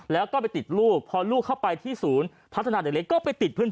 แล้วก็ไปติดลูกพอลูกเข้าไปที่ศูนย์พัฒนาเด็กเล็กก็ไปติดเพื่อน